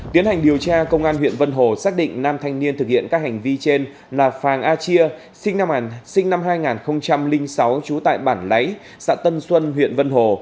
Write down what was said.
tiến hành điều tra công an huyện vân hồ xác định nam thanh niên thực hiện các hành vi trên là phàng a chia sinh năm hai nghìn sáu trú tại bản lấy xã tân xuân huyện vân hồ